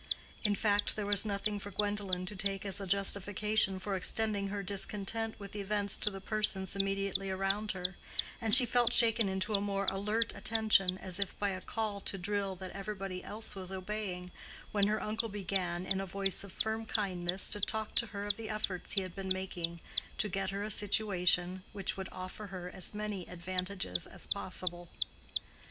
In fact there was nothing for Gwendolen to take as a justification for extending her discontent with events to the persons immediately around her, and she felt shaken into a more alert attention, as if by a call to drill that everybody else was obeying, when her uncle began in a voice of firm kindness to talk to her of the efforts he had been making to get her a situation which would offer her as many advantages as possible.